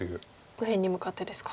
右辺に向かってですか。